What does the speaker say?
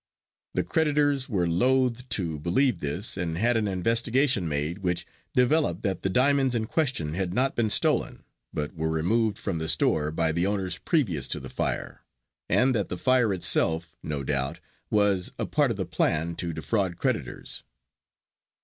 The creditors were loath to believe this and had an investigation made which developed that the diamonds in question had not been stolen, but were removed from the store by the owners previous to the fire, and that the fire itself no doubt was a part of the plan to defraud creditors.